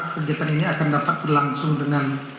kegiatan ini akan dapat berlangsung dengan